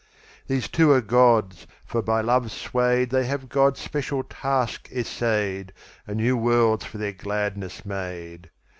These two are gods, for, by love swayed, They have God's special task essayed, And new worlds for their gladness made.